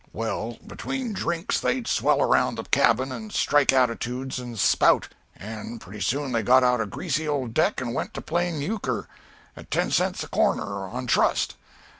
Well, between drinks they'd swell around the cabin and strike attitudes and spout; and pretty soon they got out a greasy old deck and went to playing euchre at ten cents a corner on trust.